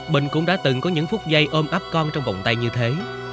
bình cũng đã từng có những phút giây ôm áp con trong vòng tay như thế